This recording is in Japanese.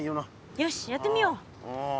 よしやってみよう！